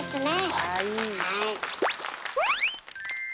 はい。